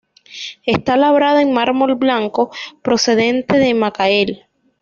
Está labrada en mármol blanco procedente de Macael.